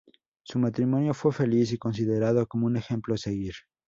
Su matrimonio fue feliz y considerado como un ejemplo a seguir.